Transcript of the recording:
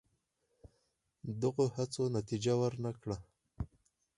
دغو هڅو نتیجه ور نه کړه.